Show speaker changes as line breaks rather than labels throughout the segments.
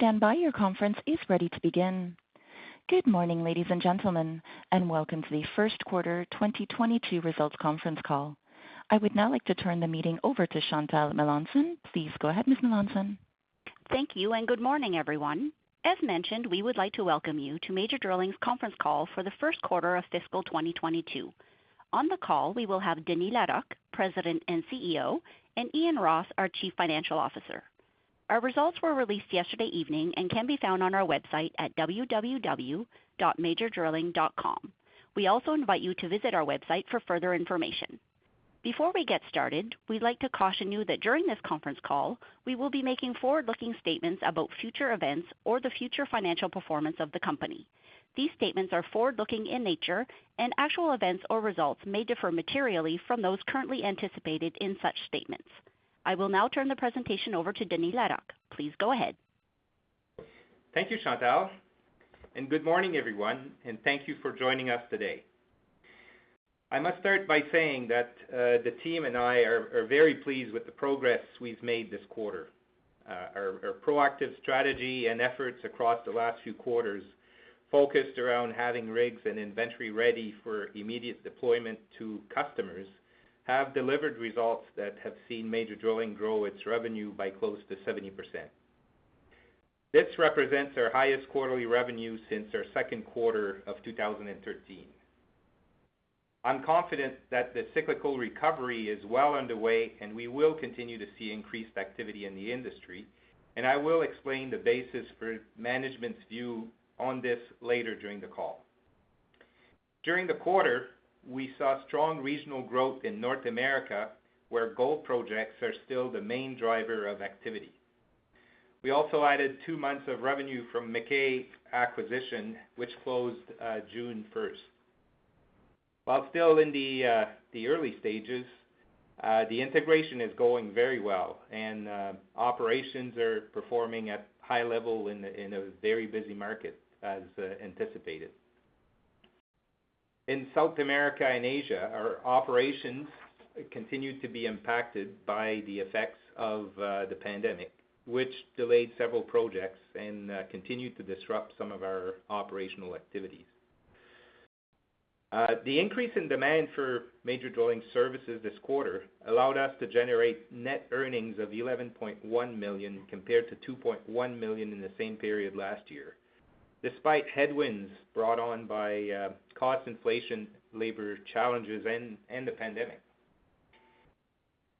Good morning, ladies and gentlemen. Welcome to the first quarter 2022 results conference call. I would now like to turn the meeting over to Chantal Melanson. Please go ahead, Ms. Melanson.
Thank you, and good morning, everyone. As mentioned, we would like to welcome you to Major Drilling's conference call for the first quarter of fiscal 2022. On the call, we will have Denis Larocque, President and CEO, and Ian Ross, our Chief Financial Officer. Our results were released yesterday evening and can be found on our website at www.majordrilling.com. We also invite you to visit our website for further information. Before we get started, we'd like to caution you that during this conference call, we will be making forward-looking statements about future events or the future financial performance of the company. These statements are forward-looking in nature, and actual events or results may differ materially from those currently anticipated in such statements. I will now turn the presentation over to Denis Larocque. Please go ahead.
Thank you, Chantal. Good morning, everyone. Thank you for joining us today. I must start by saying that the team and I are very pleased with the progress we've made this quarter. Our proactive strategy and efforts across the last few quarters focused around having rigs and inventory ready for immediate deployment to customers have delivered results that have seen Major Drilling grow its revenue by close to 70%. This represents our highest quarterly revenue since our second quarter of 2013. I'm confident that the cyclical recovery is well underway. We will continue to see increased activity in the industry. I will explain the basis for management's view on this later during the call. During the quarter, we saw strong regional growth in North America, where gold projects are still the main driver of activity. We also added two months of revenue from the McKay acquisition, which closed June 1st. While still in the early stages, the integration is going very well, and operations are performing at a high level in a very busy market, as anticipated. In South America and Asia, our operations continue to be impacted by the effects of the pandemic, which delayed several projects and continued to disrupt some of our operational activities. The increase in demand for Major Drilling services this quarter allowed us to generate net earnings of 11.1 million compared to 2.1 million in the same period last year, despite headwinds brought on by cost inflation, labor challenges, and the pandemic.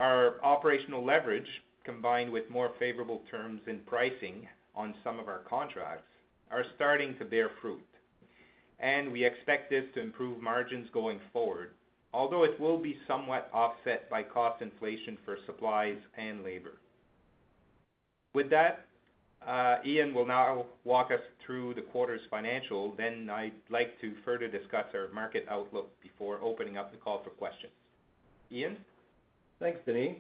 Our operational leverage, combined with more favorable terms and pricing on some of our contracts, is starting to bear fruit, and we expect this to improve margins going forward. Although it will be somewhat offset by cost inflation for supplies and labor. Ian will now walk us through the quarter's financials. I'd like to further discuss our market outlook before opening up the call for questions. Ian?
Thanks, Denis.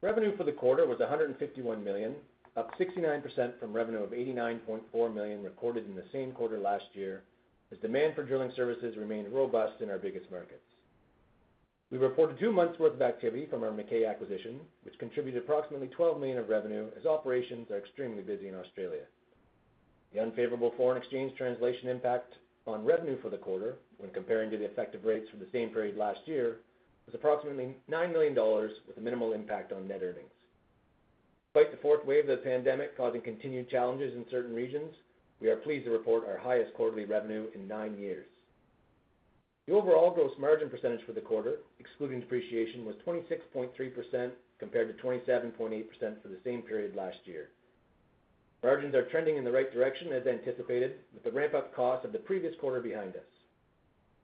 Revenue for the quarter was 151 million, up 69% from revenue of 89.4 million recorded in the same quarter last year, as demand for drilling services remained robust in our biggest markets. We reported two months' worth of activity from our McKay acquisition, which contributed approximately 12 million of revenue, as operations are extremely busy in Australia. The unfavorable foreign exchange translation impact on revenue for the quarter when comparing to the effective rates for the same period last year was approximately $9 million with a minimal impact on net earnings. Despite the fourth wave of the pandemic causing continued challenges in certain regions, we are pleased to report our highest quarterly revenue in nine years. The overall gross margin percentage for the quarter, excluding depreciation, was 26.3% compared-27.8% for the same period last year. Margins are trending in the right direction as anticipated, with the ramp-up cost of the previous quarter behind us.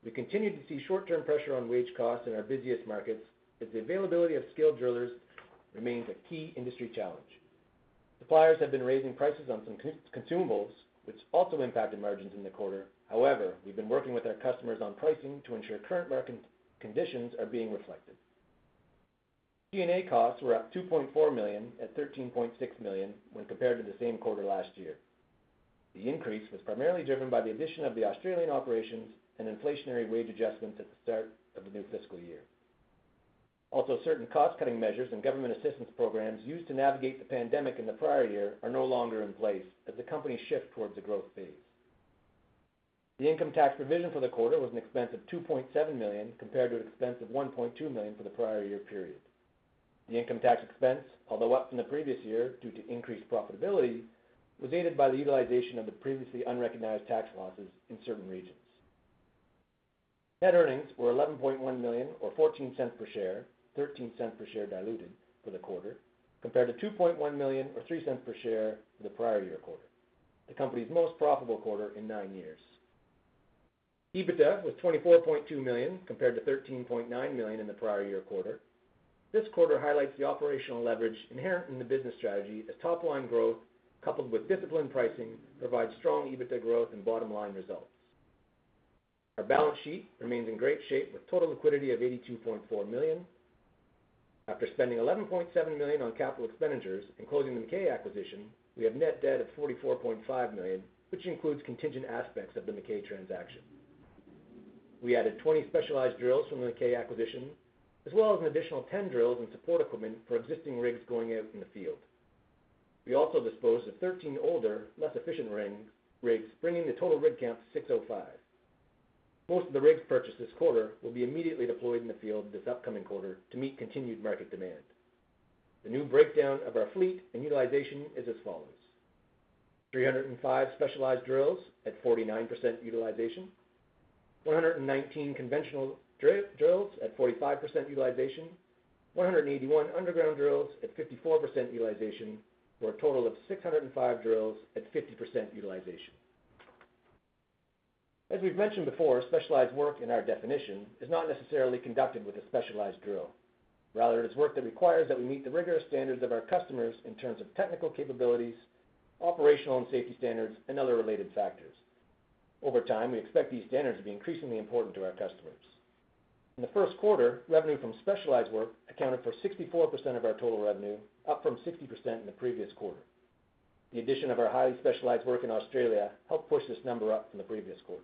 We continue to see short-term pressure on wage costs in our busiest markets as the availability of skilled drillers remains a key industry challenge. Suppliers have been raising prices on some consumables, which also impacted margins in the quarter. We've been working with our customers on pricing to ensure current market conditions are being reflected. G&A costs were up 2.4 million at 13.6 million when compared to the same quarter last year. The increase was primarily driven by the addition of the Australian operations and inflationary wage adjustments at the start of the new fiscal year. Certain cost-cutting measures and government assistance programs used to navigate the pandemic in the prior year are no longer in place as the company shifts towards a growth phase. The income tax provision for the quarter was an expense of 2.7 million compared to an expense of 1.2 million for the prior year period. The income tax expense, although up from the previous year due to increased profitability, was aided by the utilization of the previously unrecognized tax losses in certain regions. Net earnings were 11.1 million, or 0.14 per share, and 0.13 per share diluted for the quarter compared to 2.1 million, or 0.03 per share, for the prior year quarter, the company's most profitable quarter in nine years. EBITDA was 24.2 million compared to 13.9 million in the prior-year quarter. This quarter highlights the operational leverage inherent in the business strategy as top-line growth coupled with disciplined pricing provides strong EBITDA growth and bottom-line results. Our balance sheet remains in great shape with total liquidity of 82.4 million. After spending 11.7 million on capital expenditures and closing the McKay acquisition, we have net debt of 44.5 million, which includes contingent aspects of the McKay transaction. We added 20 specialized drills from the McKay acquisition, as well as an additional 10 drills and support equipment for existing rigs going out in the field. We also disposed of 13 older, less efficient rigs, bringing the total rig count to 605. Most of the rigs purchased this quarter will be immediately deployed in the field this upcoming quarter to meet continued market demand. The new breakdown of our fleet and utilization is as follows. 305 specialized drills at 49% utilization. 119 conventional drills at 45% utilization. 181 underground drills at 54% utilization, for a total of 605 drills at 50% utilization. As we've mentioned before, specialized work in our definition is not necessarily conducted with a specialized drill. Rather, it is work that requires that we meet the rigorous standards of our customers in terms of technical capabilities, operational and safety standards, and other related factors. Over time, we expect these standards to be increasingly important to our customers. In the first quarter, revenue from specialized work accounted for 64% of our total revenue, up from 60% in the previous quarter. The addition of our highly specialized work in Australia helped push this number up from the previous quarter.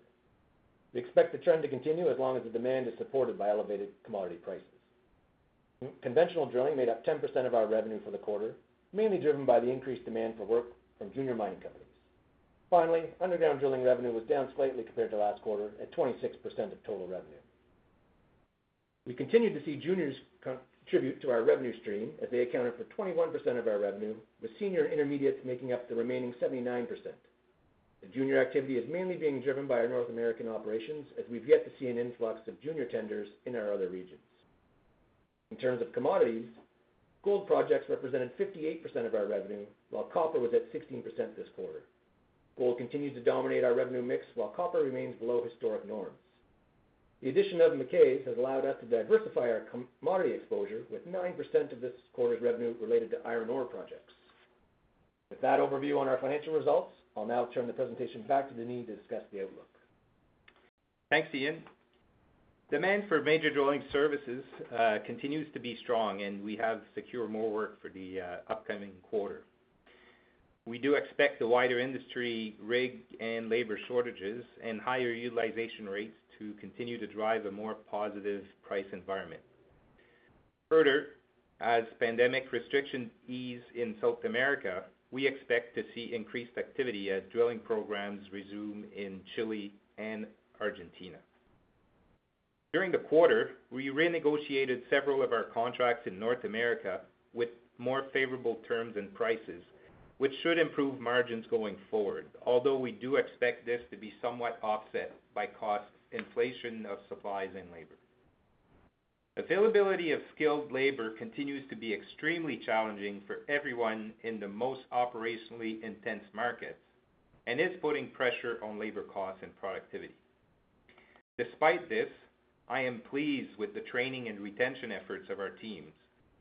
We expect the trend to continue as long as the demand is supported by elevated commodity prices. Conventional drilling made up 10% of our revenue for the quarter, mainly driven by the increased demand for work from junior mining companies. Finally, underground drilling revenue was down slightly compared to last quarter, at 26% of total revenue. We continued to see juniors contribute to our revenue stream, as they accounted for 21% of our revenue, with senior intermediates making up the remaining 79%. The junior activity is mainly being driven by our North American operations, as we've yet to see an influx of junior tenders in our other regions. In terms of commodities, gold projects represented 58% of our revenue, while copper was at 16% this quarter. Gold continues to dominate our revenue mix while copper remains below historic norms. The addition of McKay's has allowed us to diversify our commodity exposure, with 9% of this quarter's revenue related to iron-ore projects. With that overview on our financial results, I'll now turn the presentation back to Denis to discuss the outlook.
Thanks, Ian. Demand for Major Drilling services continues to be strong. We have secured more work for the upcoming quarter. We do expect the wider industry rig and labor shortages and higher utilization rates to continue to drive a more positive price environment. Further, as pandemic restrictions ease in South America, we expect to see increased activity as drilling programs resume in Chile and Argentina. During the quarter, we renegotiated several of our contracts in North America with more favorable terms and prices, which should improve margins going forward. Although we do expect this to be somewhat offset by cost inflation of supplies and labor. Availability of skilled labor continues to be extremely challenging for everyone in the most operationally intense markets and is putting pressure on labor costs and productivity. Despite this, I am pleased with the training and retention efforts of our teams,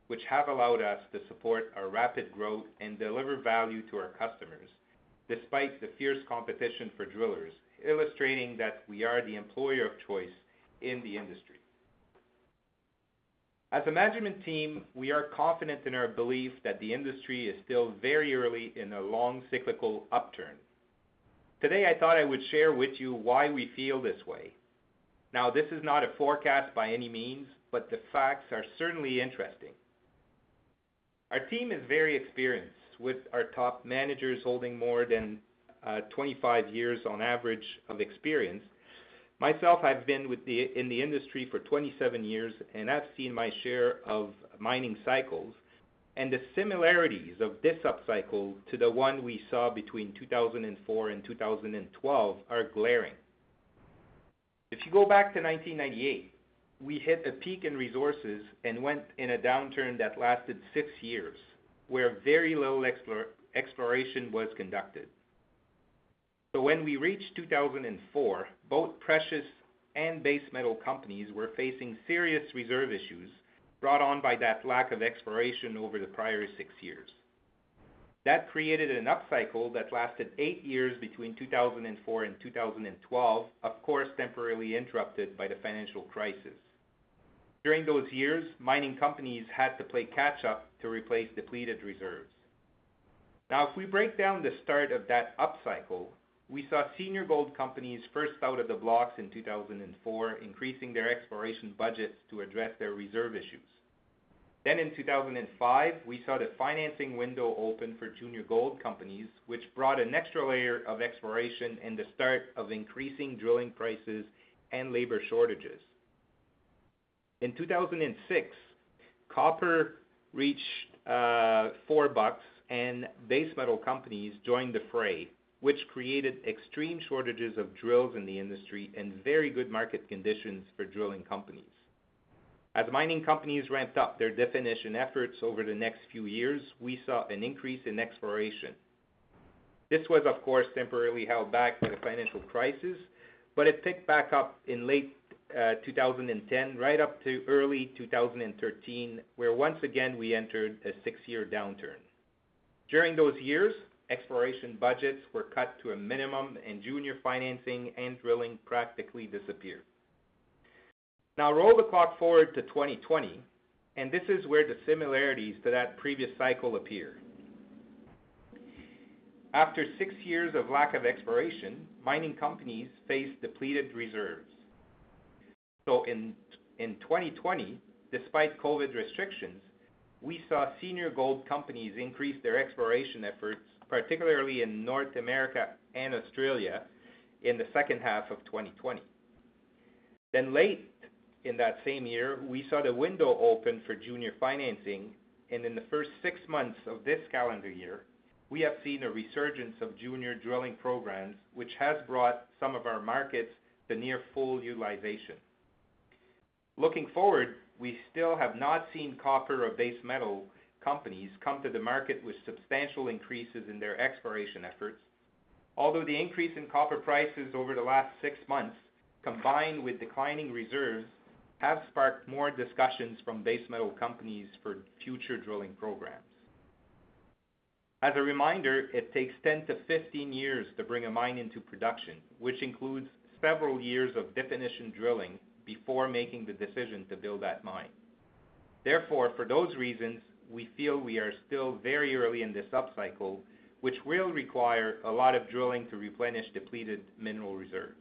which have allowed us to support our rapid growth and deliver value to our customers despite the fierce competition for drillers, illustrating that we are the employer of choice in the industry. As a management team, we are confident in our belief that the industry is still very early in a long cyclical upturn. Today, I thought I would share with you why we feel this way. This is not a forecast by any means, but the facts are certainly interesting. Our team is very experienced, with our top managers holding more than 25 years on average of experience. I've been in the industry for 27 years, and I've seen my share of mining cycles. The similarities of this upcycle to the one we saw between 2004 and 2012 are glaring. If you go back to 1998, we hit a peak in resources and went in a downturn that lasted six years, where very little exploration was conducted. When we reached 2004, both precious and base metal companies were facing serious reserve issues brought on by that lack of exploration over the prior six years. That created an upcycle that lasted eight years between 2004 and 2012, of course, temporarily interrupted by the financial crisis. During those years, mining companies had to play catch up to replace depleted reserves. Now, if we break down the start of that upcycle, we saw senior gold companies first out of the blocks in 2004, increasing their exploration budgets to address their reserve issues. In 2005, we saw the financing window open for junior gold companies, which brought an extra layer of exploration and the start of increasing drilling prices and labor shortages. In 2006, copper reached $4, and base metal companies joined the fray, which created extreme shortages of drills in the industry and very good market conditions for drilling companies. As mining companies ramped up their definition efforts over the next few years, we saw an increase in exploration. This was, of course, temporarily held back by the financial crisis, but it picked back up in late 2010, right up to early 2013, where once again, we entered a six-year downturn. During those years, exploration budgets were cut to a minimum, and junior financing and drilling practically disappeared. Now, roll the clock forward to 2020, and this is where the similarities to that previous cycle appear. After six years of lack of exploration, mining companies face depleted reserves. In 2020, despite COVID restrictions, we saw senior gold companies increase their exploration efforts, particularly in North America and Australia, in the second half of 2020. Late in that same year, we saw the window open for junior financing, and in the first six months of this calendar year, we have seen a resurgence of junior drilling programs, which has brought some of our markets to near full utilization. Looking forward, we still have not seen copper or base metal companies come to the market with substantial increases in their exploration efforts. Although the increase in copper prices over the last six months, combined with declining reserves, has sparked more discussions from base metal companies for future drilling programs. As a reminder, it takes 10-15 years to bring a mine into production, which includes several years of definition drilling before making the decision to build that mine. Therefore, for those reasons, we feel we are still very early in this upcycle, which will require a lot of drilling to replenish depleted mineral reserves.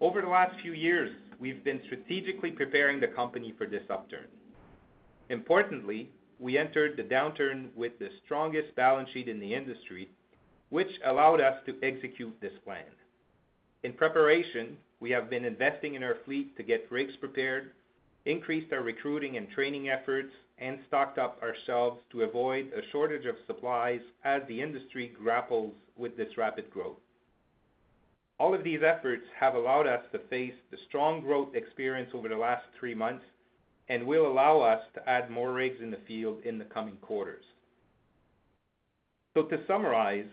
Over the last few years, we've been strategically preparing the company for this upturn. Importantly, we entered the downturn with the strongest balance sheet in the industry, which allowed us to execute this plan. In preparation, we have been investing in our fleet to get rigs prepared, increased our recruiting and training efforts, and stocked up ourselves to avoid a shortage of supplies as the industry grapples with this rapid growth. All of these efforts have allowed us to face the strong growth experienced over the last three months and will allow us to add more rigs in the field in the coming quarters. To summarize,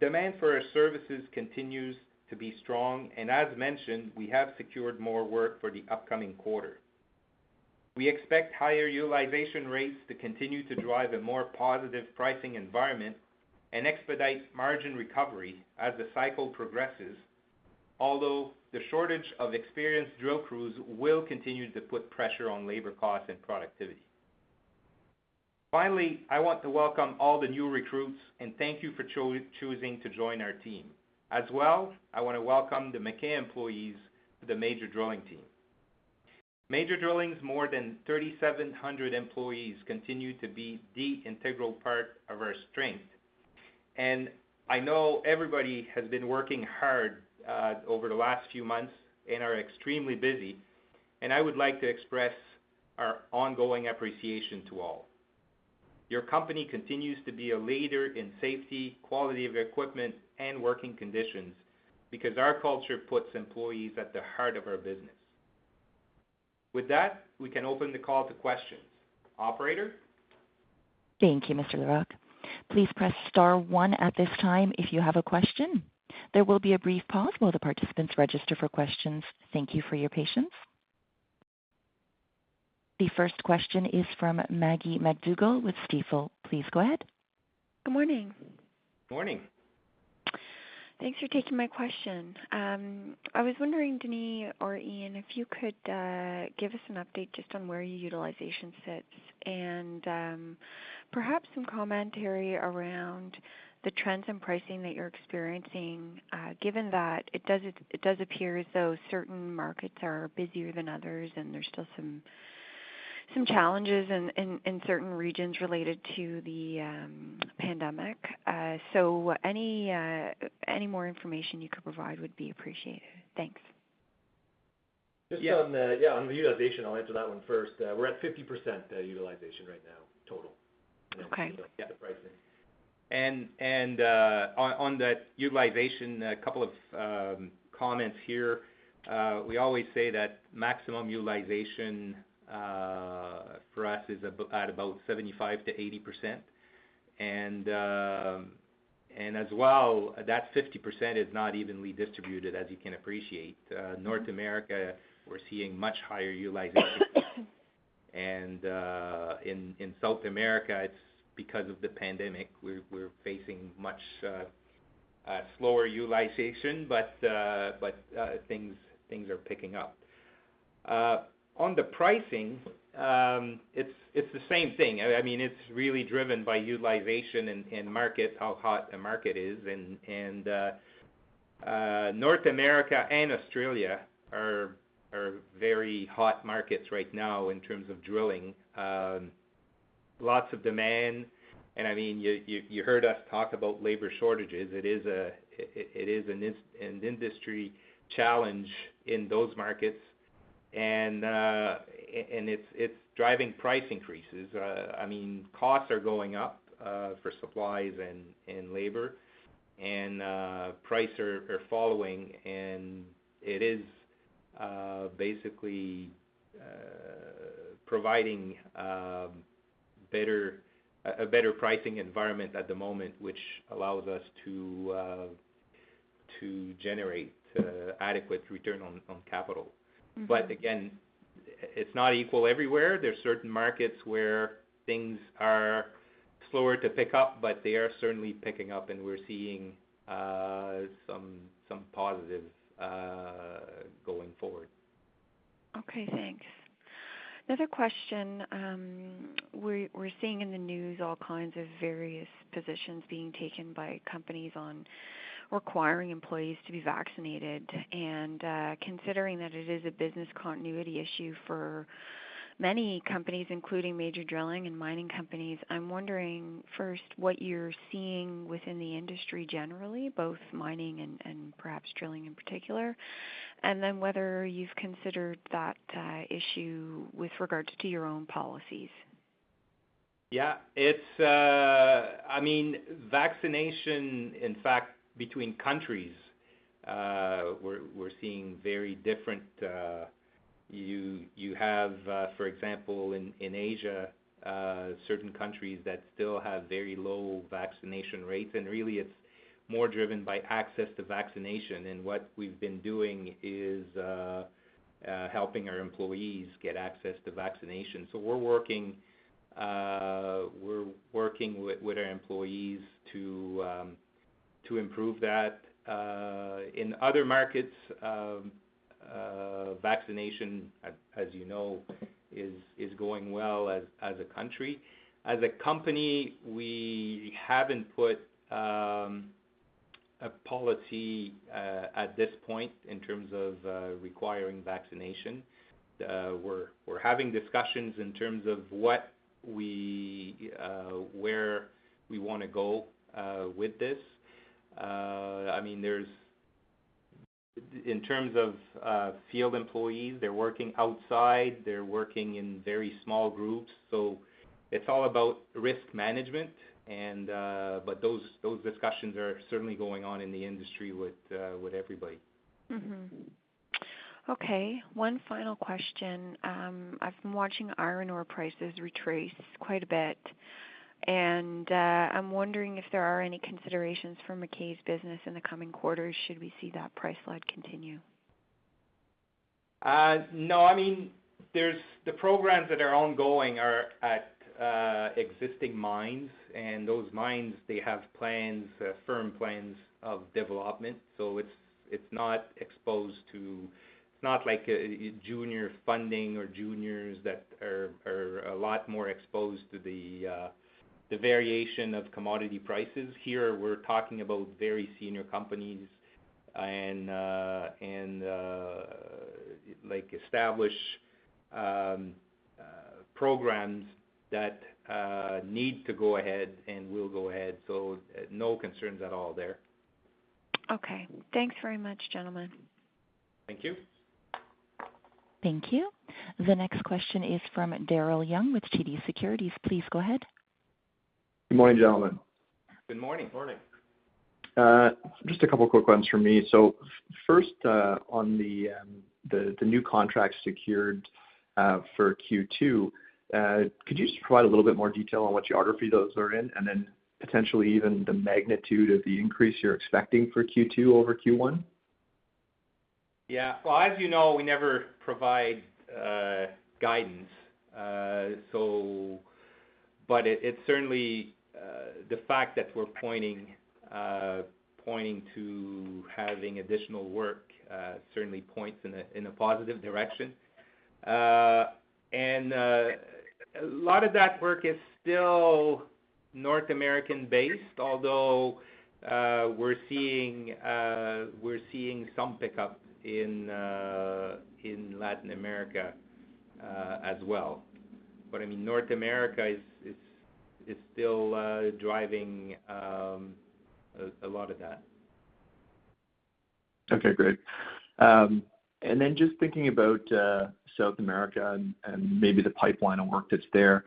demand for our services continues to be strong, and as mentioned, we have secured more work for the upcoming quarter. We expect higher utilization rates to continue to drive a more positive pricing environment and expedite margin recovery as the cycle progresses. The shortage of experienced drill crews will continue to put pressure on labor costs and productivity. I want to welcome all the new recruits and thank you for choosing to join our team. I want to welcome the McKay employees to the Major Drilling team. Major Drilling's more than 3,700 employees continue to be the integral part of our strength, and I know everybody has been working hard over the last few months and are extremely busy, and I would like to express our ongoing appreciation to all. Your company continues to be a leader in safety, quality of equipment, and working conditions because our culture puts employees at the heart of our business. With that, we can open the call to questions. Operator?
Thank you, Mr. Larocque. Please press star one at this time if you have a question. There will be a brief pause while the participants register for questions. Thank you for your patience. The first question is from Maggie MacDougall with Stifel. Please go ahead.
Good morning.
Morning.
Thanks for taking my question. I was wondering, Denis or Ian, if you could give us an update just on where your utilization sits and perhaps some commentary around the trends in pricing that you're experiencing, given that it does appear as though certain markets are busier than others and there are still some challenges in certain regions related to the pandemic. Any more information you could provide would be appreciated. Thanks.
Yeah.
Just on the utilization, I'll answer that one first. We're at 50% utilization right now, total.
Okay.
We'll get the pricing.
On that utilization, a couple of comments here. We always say that maximum utilization for us is at about 75%-80%. As well, that 50% is not evenly distributed, as you can appreciate. North America, we're seeing much higher utilization. In South America, it's because of the pandemic; we're facing much slower utilization, but things are picking up. On the pricing, it's the same thing. It's really driven by utilization and market—how hot the market is. North America and Australia are very hot markets right now in terms of drilling. Lots of demand, and you heard us talk about labor shortages. It is an industry challenge in those markets, and it's driving price increases. Costs are going up for supplies and labor. Prices are following. It is basically providing a better pricing environment at the moment, which allows us to generate adequate return on capital. Again, it's not equal everywhere. There are certain markets where things are slower to pick up, but they are certainly picking up, and we're seeing some positives going forward.
Okay, thanks. Another question. We're seeing in the news all kinds of various positions being taken by companies on requiring employees to be vaccinated. Considering that it is a business continuity issue for many companies, including Major Drilling and mining companies, I'm wondering first what you're seeing within the industry generally, both mining and perhaps drilling in particular, and then whether you've considered that issue with regard to your own policies.
Vaccination, in fact, between countries, we're seeing very different. You have, for example, in Asia, certain countries that still have very low vaccination rates, and really it's more driven by access to vaccination. What we've been doing is helping our employees get access to vaccinations. We're working with our employees to improve that. In other markets, vaccination, as you know, is going well as a country. As a company, we haven't put a policy at this point in terms of requiring vaccination. We're having discussions in terms of where we want to go with this. In terms of field employees, they're working outside, they're working in very small groups, so it's all about risk management, but those discussions are certainly going on in the industry with everybody.
Okay, one final question. I've been watching iron ore prices retrace quite a bit, and I'm wondering if there are any considerations for McKay's business in the coming quarters should we see that price slide continue.
No. The programs that are ongoing are at existing mines, and those mines have firm plans of development. It's not like junior funding or juniors that are a lot more exposed to the variation of commodity prices. Here, we're talking about very senior companies and established programs that need to go ahead and will go ahead. No concerns at all there.
Okay. Thanks very much, gentlemen.
Thank you.
Thank you. The next question is from Daryl Young with TD Securities. Please go ahead.
Good morning, gentlemen.
Good morning.
Morning.
Just a couple quick ones from me. First, on the new contracts secured for Q2, could you just provide a little bit more detail on what geography those are in, and then potentially even the magnitude of the increase you're expecting for Q2 over Q1?
Yeah. Well, as you know, we never provide guidance, but it's certainly the fact that we're pointing to having additional work, which certainly points in a positive direction. A lot of that work is still North American-based, although we're seeing some pickup in Latin America as well. North America is still driving a lot of that.
Okay, great. Just thinking about South America and maybe the pipeline of work that's there,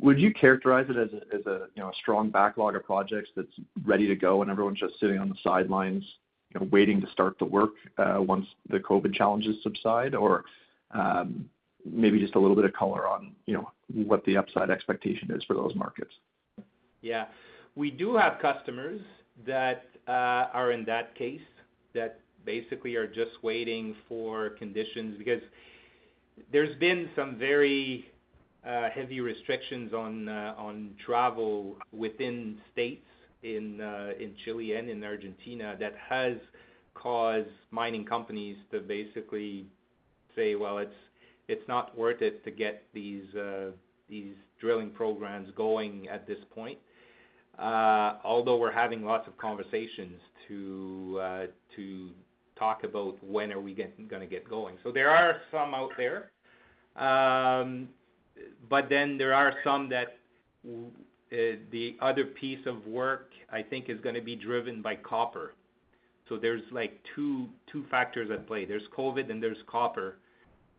would you characterize it as a strong backlog of projects that's ready to go and everyone's just sitting on the sidelines waiting to start the work once the COVID challenges subside? Maybe just a little bit of color on what the upside expectation is for those markets.
Yeah. We do have customers that are in that case that basically are just waiting for conditions, because there's been some very heavy restrictions on travel within states in Chile and in Argentina that have caused mining companies to basically say, Well, it's not worth it to get these drilling programs going at this point." Although we're having lots of conversations to talk about when we are going to get going, there are some out there. There are some that the other piece of work, I think, is going to be driven by. There are two factors at play: there's COVID, and there's copper.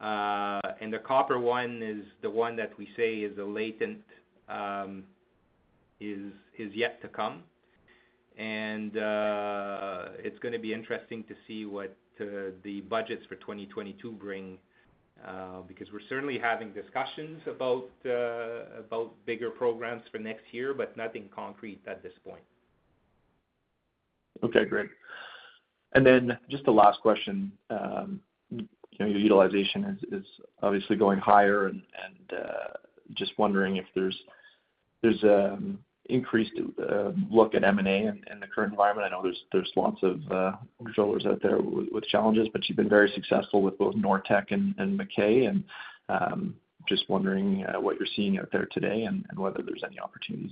The copper one is the one that we say is latent, is yet to come. It's going to be interesting to see what the budgets for 2022 bring, because we're certainly having discussions about bigger programs for next year, but nothing concrete at this point.
Okay, great. Just the last question. Your utilization is obviously going higher, and I'm just wondering if there's an increased look at M&A in the current environment. I know there are lots of contractors out there with challenges, but you've been very successful with both Norex and McKay, and just wondering what you're seeing out there today and whether there are any opportunities.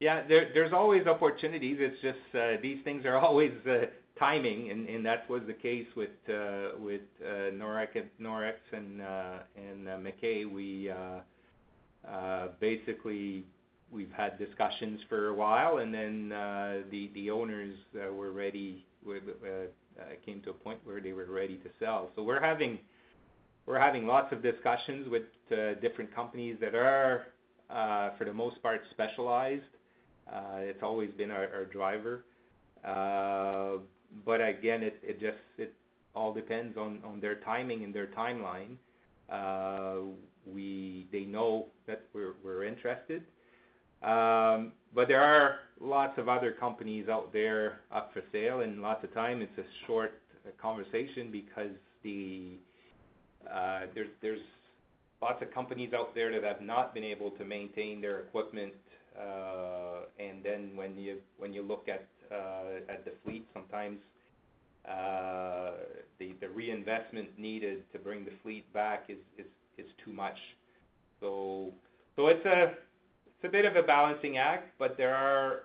There are always opportunities. It's just these things are always timing, and that was the case with Norex and McKay. We've had discussions for a while, and then the owners came to a point where they were ready to sell. We're having lots of discussions with different companies that are, for the most part, specialized. It's always been our driver. Again, it all depends on their timing and their timeline. They know that we're interested. There are lots of other companies out there up for sale, and lots of times it's a short conversation because there are lots of companies out there that have not been able to maintain their equipment, and then when you look at the fleet, sometimes the reinvestment needed to bring the fleet back is too much. It's a bit of a balancing act, but there are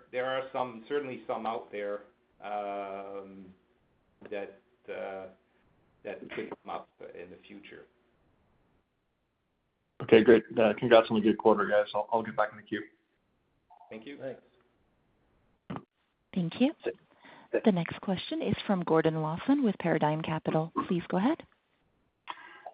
certainly some out there that could come up in the future.
Okay, great. Congrats on a good quarter, guys. I'll get back in the queue.
Thank you.
Thanks.
Thank you. The next question is from Gordon Lawson with Paradigm Capital. Please go ahead.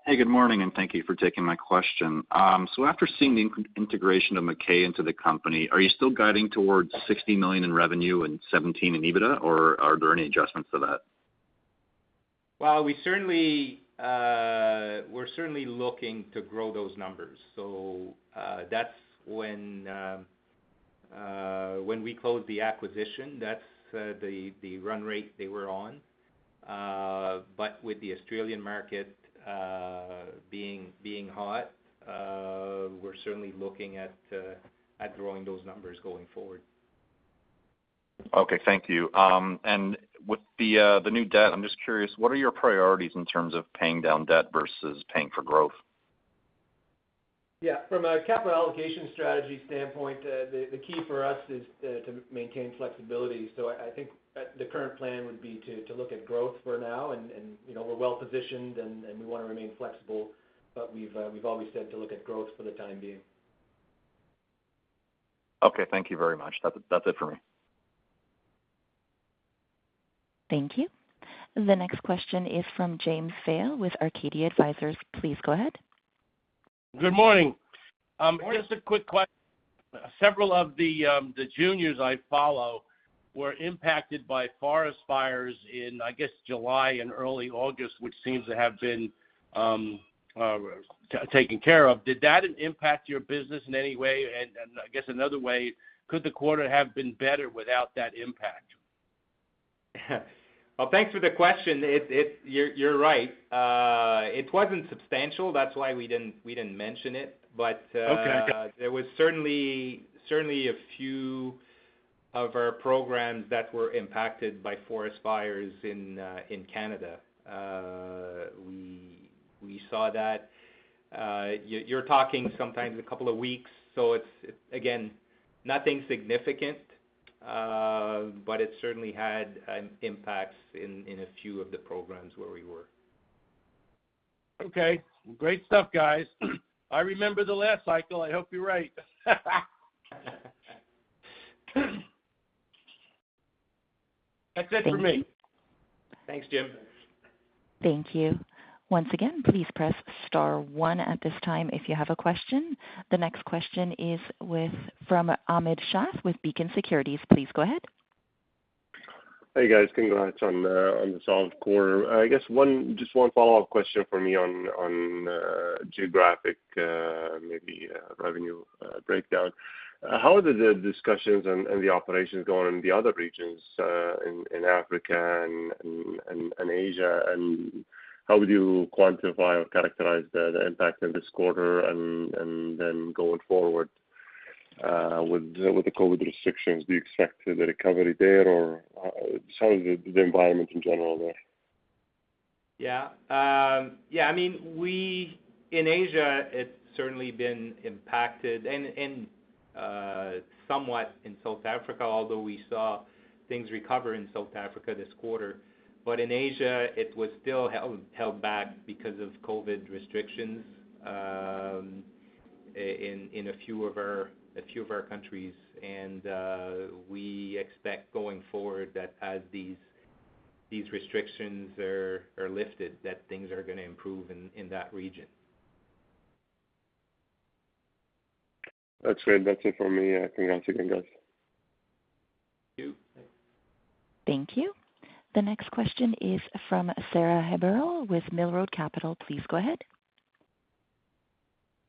Hey, good morning. Thank you for taking my question. After seeing the integration of McKay into the company, are you still guiding towards 60 million in revenue and 17 million in EBITDA, or are there any adjustments to that?
We're certainly looking to grow those numbers. That's when we closed the acquisition. That's the run rate they were on. With the Australian market being hot, we're certainly looking at growing those numbers going forward.
Okay, thank you. With the new debt, I'm just curious, what are your priorities in terms of paying down debt versus paying for growth?
Yeah, from a capital allocation strategy standpoint, the key for us is to maintain flexibility. I think the current plan would be to look at growth for now, and we're well positioned, and we want to remain flexible, but we've always said to look at growth for the time being.
Okay. Thank you very much. That's it for me.
Thank you. The next question is from James Vail with Arcadia Advisors. Please go ahead.
Good morning.
Morning.
Just a quick question. Several of the juniors I follow were impacted by forest fires in, I guess, July and early August, which seems to have been taken care of. Did that impact your business in any way? I guess another way, could the quarter have been better without that impact?
Well, thanks for the question. You're right. It wasn't substantial. That's why we didn't mention it.
Okay. Got it.
There were certainly a few of our programs that were impacted by forest fires in Canada. We saw that. You're talking sometimes for a couple of weeks, so it's, again, nothing significant, but it certainly had impacts in a few of the programs where we were.
Okay. Great stuff, guys. I remember the last cycle. I hope you're right. That's it for me.
Thank you.
Thanks, James.
Thank you. Once again, please press star one at this time if you have a question. The next question is from Ahmad Shaath with Beacon Securities. Please go ahead.
Hey, guys. Congrats on the solid quarter. I guess just one follow-up question from me on geography, maybe a revenue breakdown. How did the discussions and the operations go in the other regions, in Africa and Asia, and how would you quantify or characterize the impact in this quarter? Going forward, with the COVID restrictions, do you expect the recovery there, or how is the environment in general there?
Yeah. In Asia, it's certainly been impacted, and somewhat in South Africa, although we saw things recover in South Africa this quarter. In Asia, it was still held back because of COVID restrictions in a few of our countries. We expect going forward that as these restrictions are lifted, things are going to improve in that region.
That's great. That's it for me. Congrats again, guys.
Thank you.
Thanks.
Thank you. The next question is from Sarah Heberle with Mill Road Capital. Please go ahead.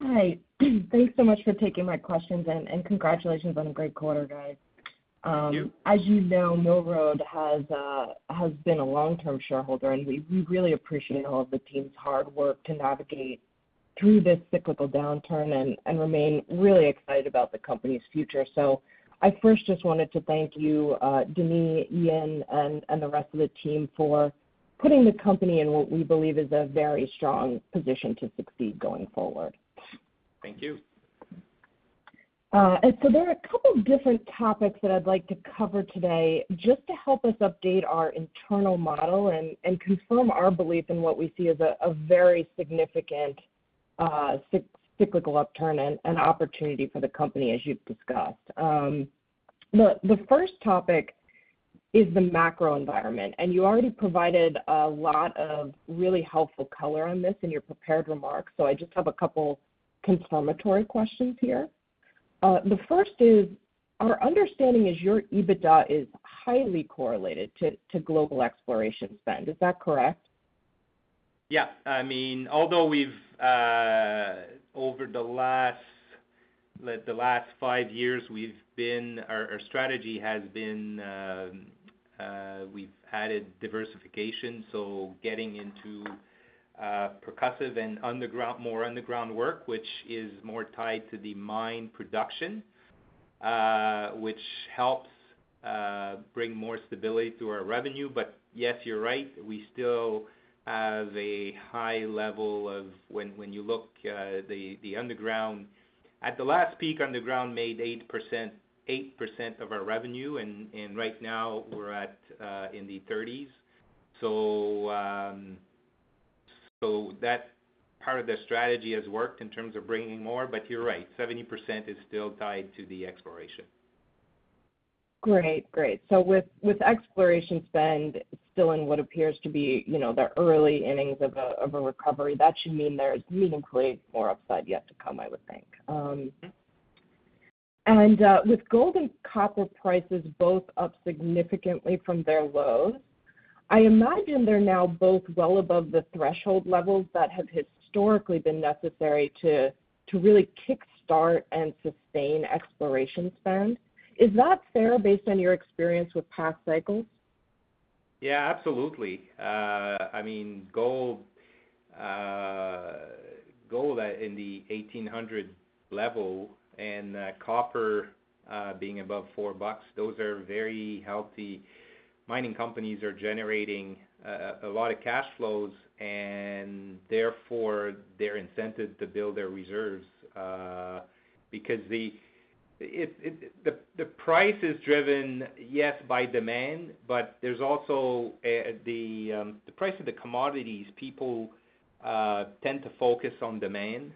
Hi. Thanks so much for taking my questions, and congratulations on a great quarter, guys. As you know, Mill Road has been a long-term shareholder, and we really appreciate all of the team's hard work to navigate through this cyclical downturn and remain really excited about the company's future. I first just wanted to thank you, Denis, Ian, and the rest of the team for putting the company in what we believe is a very strong position to succeed going forward.
Thank you.
There are a couple of different topics that I'd like to cover today just to help us update our internal model and confirm our belief in what we see as a very significant cyclical upturn and an opportunity for the company, as you've discussed. The first topic is the macro environment, and you already provided a lot of really helpful color on this in your prepared remarks, so I just have a couple confirmatory questions here. The first is our understanding is your EBITDA is highly correlated to global exploration spend. Is that correct?
Yeah. Although over the last five years, our strategy has been we've added diversification, so getting into percussive and more underground work, which is more tied to the mine production, which helps bring more stability to our revenue. Yes, you're right; we still have a high level when you look at the underground. At the last peak, underground made 8% of our revenue, and right now we're in the 30s. That part of the strategy has worked in terms of bringing more, but you're right, 70% is still tied to the exploration.
Great. With exploration spending still in what appears to be the early innings of a recovery, that should mean there's meaningfully more upside yet to come, I would think. With gold and copper prices both up significantly from their lows, I imagine they're now both well above the threshold levels that have historically been necessary to really kickstart and sustain exploration spend. Is that fair, based on your experience with past cycles?
Yeah, absolutely. Gold in the 1,800 level and copper being above $4—those are very healthy. Mining companies are generating a lot of cash flows. Therefore, they're incented to build their reserves. The price is driven, yes, by demand, but there's also the price of the commodities; people tend to focus on demand.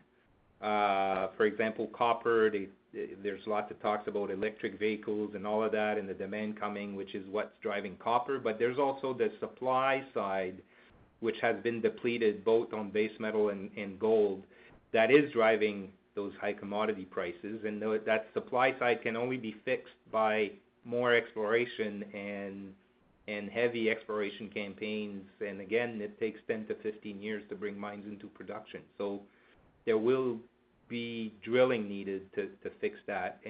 For example, copper: there are lots of talks about electric vehicles and all of that, and the demand is coming, which is what's driving copper, but there's also the supply side, which has been depleted in both base metal and gold, that is driving those high commodity prices. That supply side can only be fixed by more exploration and heavy exploration campaigns. Again, it takes 10-15 years to bring mines into production. There will be drilling needed to fix that.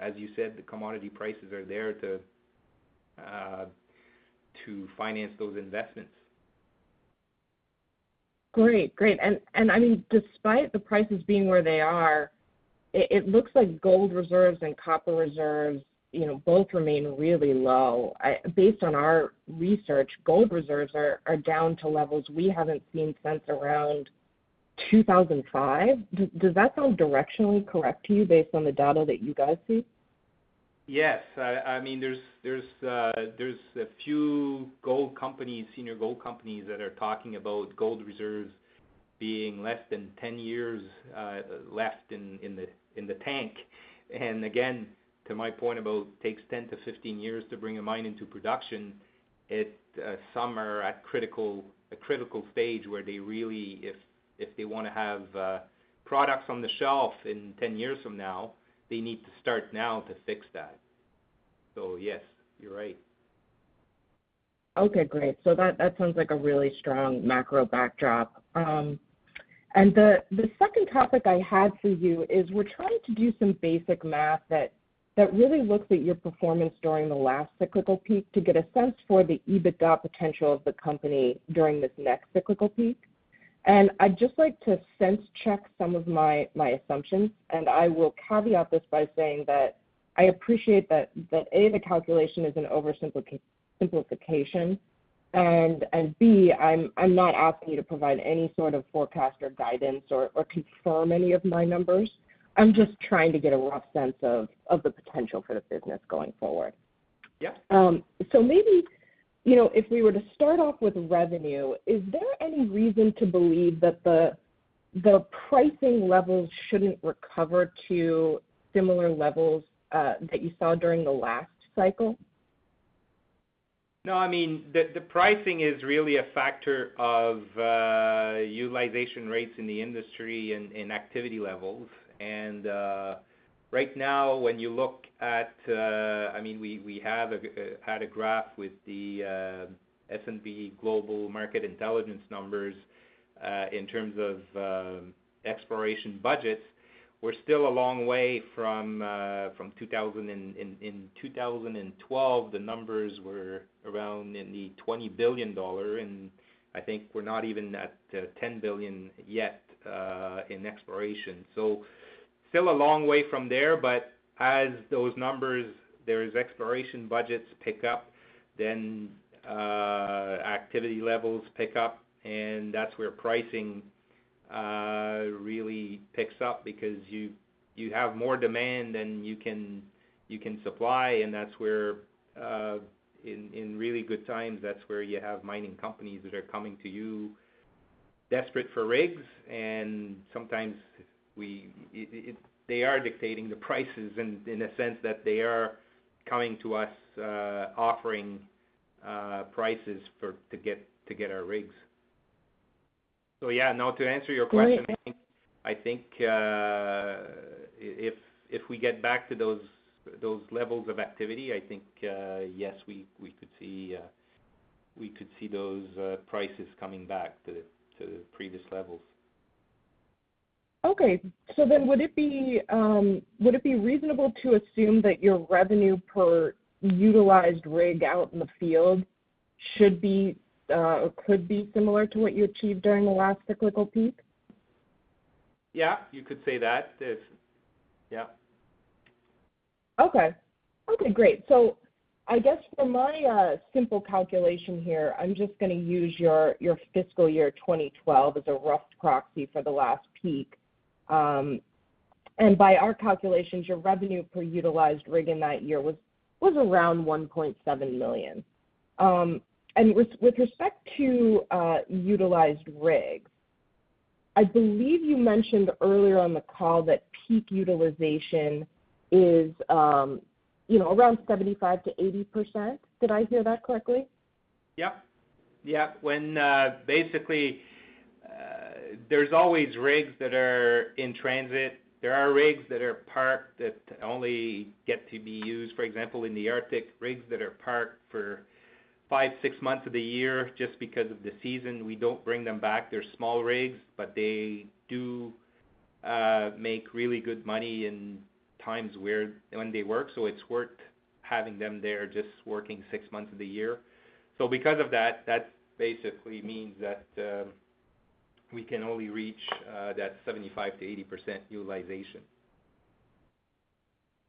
As you said, the commodity prices are there to finance those investments.
Great. Despite the prices being where they are, it looks like gold reserves and copper reserves both remain really low. Based on our research, gold reserves are down to levels we haven't seen since around 2005. Does that sound directionally correct to you based on the data that you guys see?
Yes. There are a few gold companies, senior gold companies, that are talking about gold reserves being less than 10 years left in the tank. Again, to my point about takes 10-15 years to bring a mine into production, some are at a critical stage where they really, if they want to have products on the shelf in 10 years from now, need to start now to fix that. Yes, you're right.
Okay, great. That sounds like a really strong macro backdrop. The second topic I had for you is we're trying to do some basic math that really looks at your performance during the last cyclical peak to get a sense for the EBITDA potential of the company during this next cyclical peak. I'd just like to sense check some of my assumptions, and I will caveat this by saying that I appreciate that, A, the calculation is an oversimplification, and B, I'm not asking you to provide any sort of forecast or guidance or confirm any of my numbers. I'm just trying to get a rough sense of the potential for the business going forward.
Yeah.
Maybe if we were to start off with revenue, is there any reason to believe that the pricing levels shouldn't recover to similar levels that you saw during the last cycle?
No, the pricing is really a factor of utilization rates in the industry and activity levels. Right now, when you look at it, we had a graph with the S&P Global Market Intelligence numbers in terms of exploration budgets. We're still a long way from 2000. In 2012, the numbers were around $20 billion, and I think we're not even at $10 billion yet in exploration. Still a long way from there, but as those numbers, those exploration budgets, pick up, activity levels pick up, and that's where pricing really picks up because you have more demand than you can supply, and in really good times, that's where you have mining companies that are coming to you desperate for rigs. Sometimes they are dictating the prices in the sense that they are coming to us, offering prices to get our rigs. Yeah, no, to answer your question.
Great
I think if we get back to those levels of activity, I think, yes, we could see those prices coming back to the previous levels.
Okay. Would it be reasonable to assume that your revenue per utilized rig out in the field should be or could be similar to what you achieved during the last cyclical peak?
Yeah, you could say that. Yes.
Okay. Okay, great. I guess for my simple calculation here, I'm just going to use your fiscal year 2012 as a rough proxy for the last peak. By our calculations, your revenue per utilized rig in that year was around 1.7 million. With respect to utilized rigs, I believe you mentioned earlier on the call that peak utilization is around 75%-80%. Did I hear that correctly?
Yep. When basically, there are always rigs that are in transit. There are rigs that are parked that only get to be used, for example, in the Arctic, rigs that are parked for five-six months of the year just because of the season. We don't bring them back. They're small rigs, but they do make really good money in times when they work, so it's worth having them there just working 6 months of the year. Because of that, it basically means that we can only reach that 75%-80% utilization.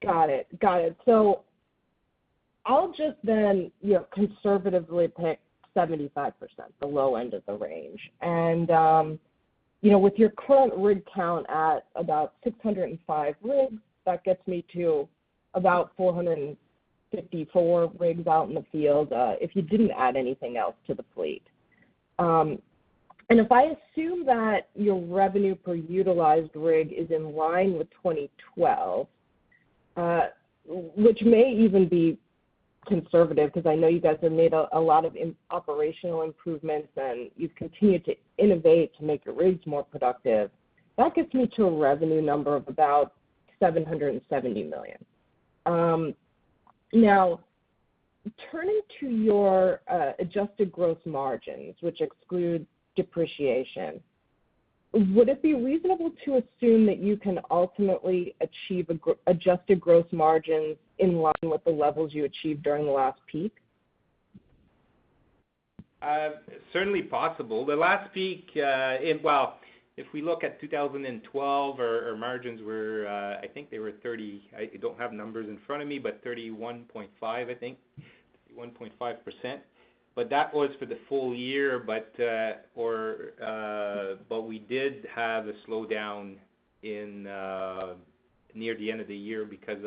Got it. I'll just then conservatively pick 75%, the low end of the range. With your current rig count at about 605 rigs, that gets me to about 454 rigs out in the field if you didn't add anything else to the fleet. If I assume that your revenue per utilized rig is in line with 2012, which may even be conservative, because I know you guys have made a lot of operational improvements, and you've continued to innovate to make your rigs more productive. That gets me to a revenue number of about 770 million. Turning to your adjusted gross margins, which excludes depreciation, would it be reasonable to assume that you can ultimately achieve adjusted gross margins in line with the levels you achieved during the last peak?
Certainly possible. The last peak, well, if we look at 2012, our margins were—I think they were 31.5%. That was for the full year, but we did have a slowdown near the end of the year because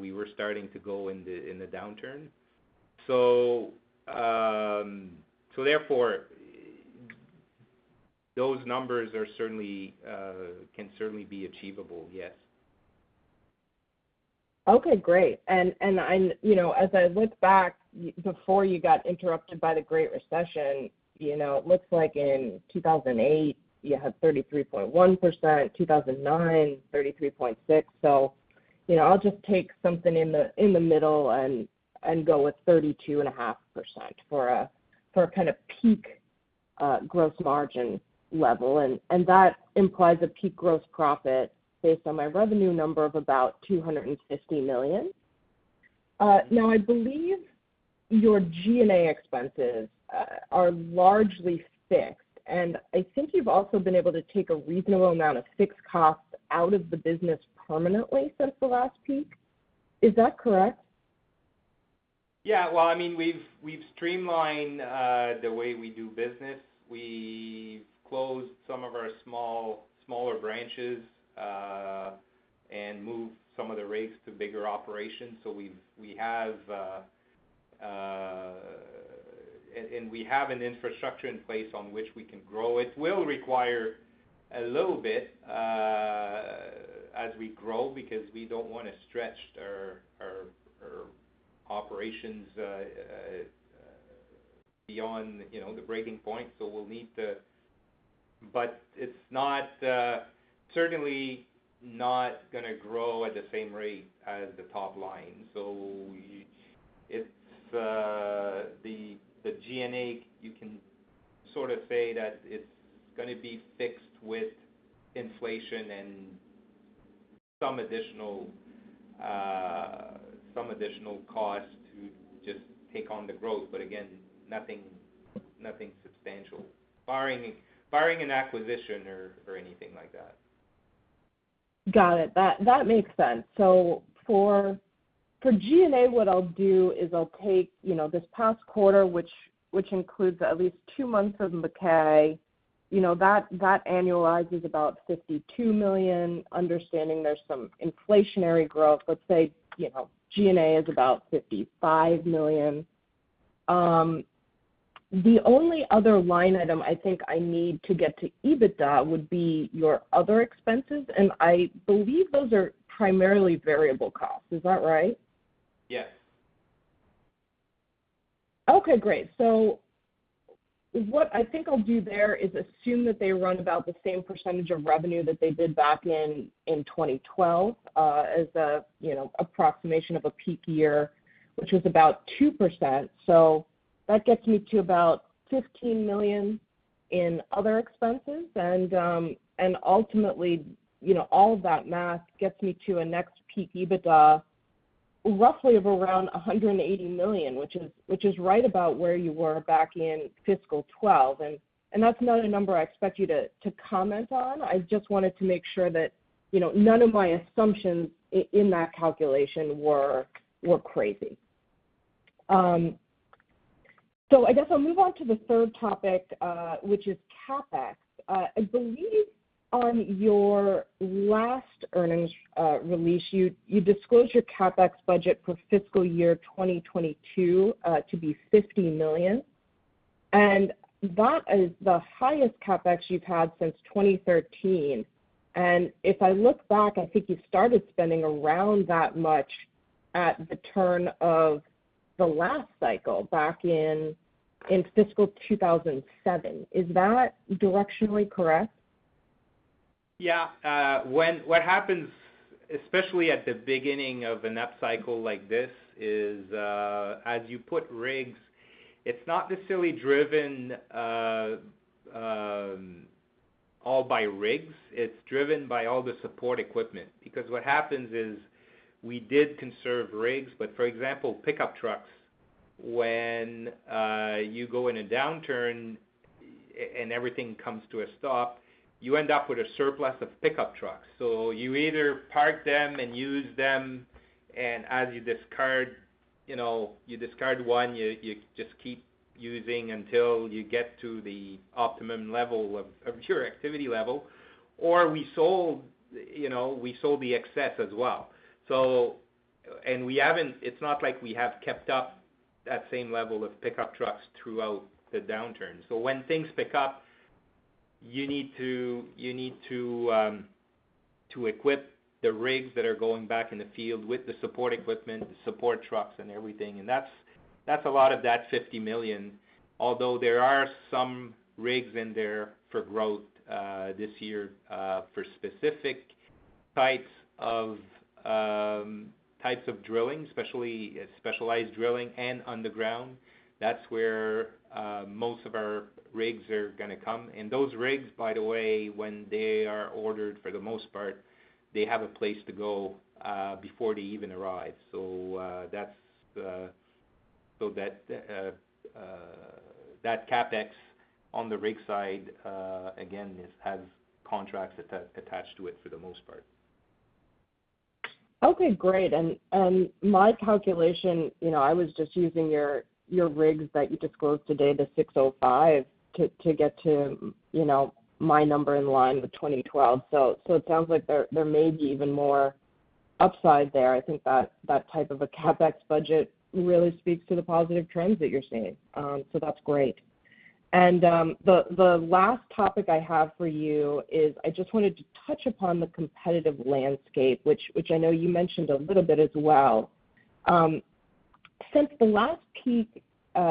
we were starting to go in the downturn. Therefore, those numbers can certainly be achievable, yes.
Okay, great. As I look back, before you got interrupted by the great recession, it looks like in 2008, you had 33.1%; in 2009, 33.6%. I'll just take something in the middle and go with 32.5% for a kind of peak gross margin level. That implies a peak gross profit based on my revenue number of about 250 million. Now, I believe your G&A expenses are largely fixed, and I think you've also been able to take a reasonable amount of fixed costs out of the business permanently since the last peak. Is that correct?
Well, we've streamlined the way we do business. We've closed some of our smaller branches and moved some of the rigs to bigger operations. We have an infrastructure in place on which we can grow. It will require a little bit as we grow because we don't want to stretch our operations beyond the breaking point. It's certainly not going to grow at the same rate as the top line. The G&A, you can sort of say that it's going to be fixed with inflation and some additional cost to just take on the growth. Again, nothing substantial. Barring an acquisition or anything like that.
Got it. That makes sense. For G&A, what I'll do is I'll take this past quarter, which includes at least two months of McKay. That annualizes about 52 million, understanding there's some inflationary growth. Let's say G&A is about 55 million. The only other line item I think I need to get to EBITDA would be your other expenses, and I believe those are primarily variable costs. Is that right?
Yes.
Okay, great. What I think I'll do there is assume that they run about the same percentage of revenue that they did back in 2012, as an approximation of a peak year, which was about 2%. That gets me to about 15 million in other expenses. Ultimately, all of that math gets me to a next peak EBITDA of roughly around 180 million, which is right about where you were back in fiscal 2012, and that's not a number I expect you to comment on. I just wanted to make sure that none of my assumptions in that calculation were crazy. I guess I'll move on to the third topic, which is CapEx. I believe on your last earnings release, you disclosed your CapEx budget for fiscal year 2022 to be 50 million, and that is the highest CapEx you've had since 2013. If I look back, I think you started spending around that much at the turn of the last cycle back in fiscal 2007. Is that directionally correct?
Yeah. What happens, especially at the beginning of an upcycle like this, is, as you put rigs, it's not necessarily driven all by rigs; it's driven by all the support equipment. What happens is we did conserve rigs, but for example, pickup trucks, when you go in a downturn and everything comes to a stop, you end up with a surplus of pickup trucks. You either park them and use them, and as you discard one, you just keep using it until you get to the optimum level of your activity level. We sold the excess as well. It's not like we have kept up that same level of pickup trucks throughout the downturn. When things pick up, you need to equip the rigs that are going back in the field with the support equipment, the support trucks, and everything, and that's a lot of that 50 million. Although there are some rigs in there for growth this year for specific types of drilling, especially specialized drilling and underground. That's where most of our rigs are going to come. Those rigs, by the way, when they are ordered, for the most part, have a place to go before they even arrive. That CapEx on the rig side, again, has contracts attached to it for the most part.
Okay, great. My calculation: I was just using your rigs that you disclosed today, the 605, to get to my number in line with 2012. It sounds like there may be even more upside there. I think that type of a CapEx budget really speaks to the positive trends that you're seeing. That's great. The last topic I have for you is I just wanted to touch upon the competitive landscape, which I know you mentioned a little bit as well. Since the last peak,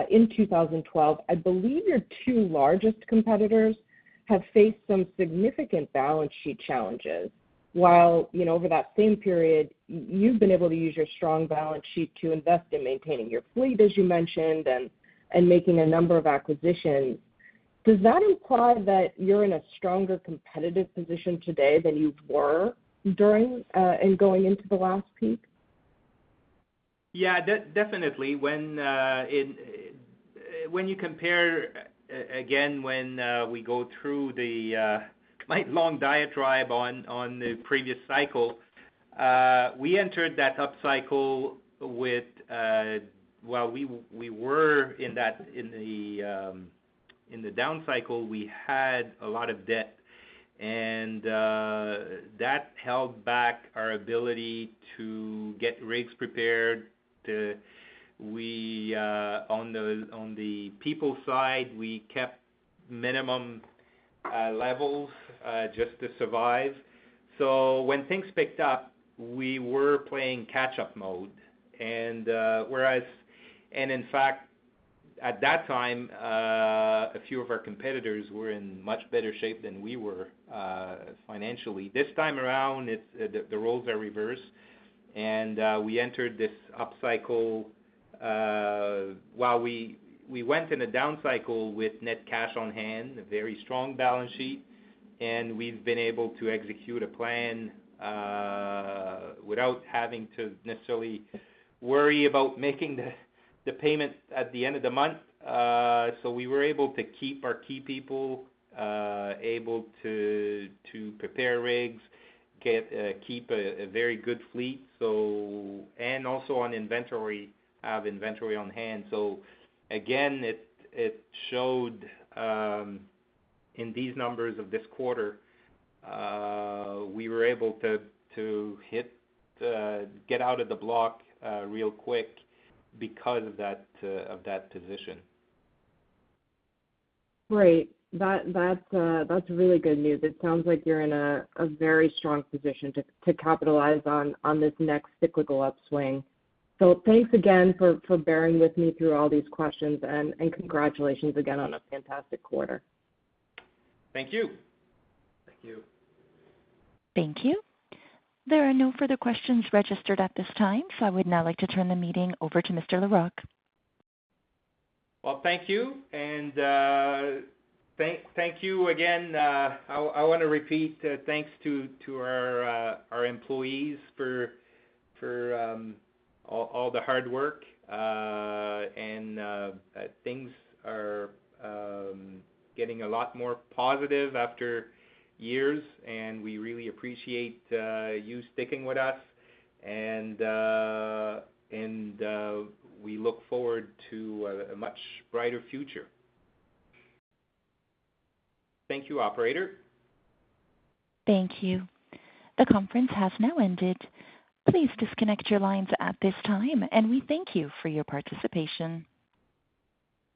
in 2012, I believe your two largest competitors have faced some significant balance sheet challenges. While over that same period, you've been able to use your strong balance sheet to invest in maintaining your fleet, as you mentioned, and making a number of acquisitions. Does that imply that you're in a stronger competitive position today than you were during and going into the last peak?
Yeah, definitely. When you compare, again, when we go through the quite long diatribe on the previous cycle, we entered that up cycle with Well, we were in the down cycle, we had a lot of debt, and that held back our ability to get rigs prepared. On the people side, we kept minimum levels, just to survive. When things picked up, we were playing catch-up mode. In fact, at that time, a few of our competitors were in much better shape than we were financially. This time around, the roles are reversed, and we entered this upcycle while we went in a downcycle with net cash on hand, a very strong balance sheet, and we've been able to execute a plan without having to necessarily worry about making the payments at the end of the month. We were able to keep our key people, prepare rigs, keep a very good fleet, and also have inventory on hand. Again, it showed in these numbers of this quarter; we were able to get out of the block real quick because of that position.
Great. That's really good news. It sounds like you're in a very strong position to capitalize on this next cyclical upswing. Thanks again for bearing with me through all these questions, and congratulations again on a fantastic quarter.
Thank you.
Thank you.
Thank you. There are no further questions registered at this time, so I would now like to turn the meeting over to Mr. Larocque.
Well, thank you. Thank you again. I want to repeat thanks to our employees for all the hard work. Things are getting a lot more positive after years, and we really appreciate you sticking with us. We look forward to a much brighter future. Thank you, operator.
Thank you. The conference has now ended. Please disconnect your lines at this time, and we thank you for your participation.